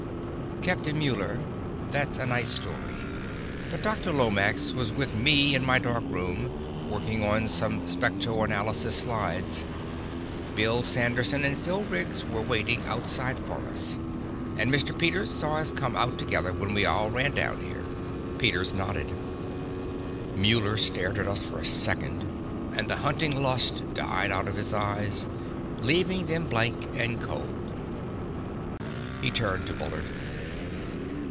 "Captain Muller, that's a nice story. But Dr. Lomax was with me in my darkroom, working on some spectroanalysis slides. Bill Sanderson and Phil Riggs were waiting outside for us. And Mr. Peters saw us come out together when we all ran down here." Peters nodded. Muller stared at us for a second, and the hunting lust died out of his eyes, leaving them blank and cold. He turned to Bullard.